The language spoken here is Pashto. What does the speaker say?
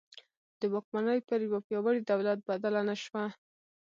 د واکمني پر یوه پیاوړي دولت بدله نه شوه.